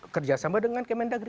kerjasama dengan kementerian negeri